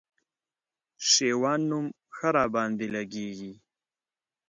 شېوان نوم ښه راباندي لګېږي